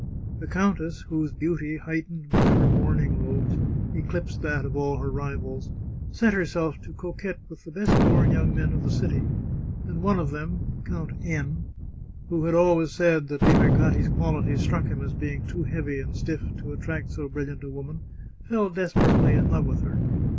The countess, whose beauty, heightened by her mourning robes, eclipsed that of all her rivals, set herself to coquette with the best born young men of the city, and one of them, Count N , who had always said that Limercati's qualities struck him as being too heavy and stiff to attract so bril liant a woman, fell desperately in love with her.